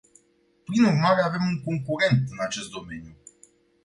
Prin urmare, avem un concurent în acest domeniu.